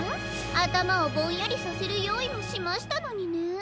あたまをぼんやりさせるよういもしましたのにねえ。